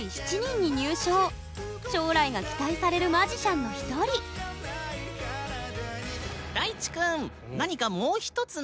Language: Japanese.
将来が期待されるマジシャンの一人大智くん何かもう一つマジック見せてくれる？